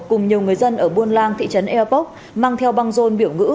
cùng nhiều người dân ở buôn lang thị trấn eapoc mang theo băng rôn biểu ngữ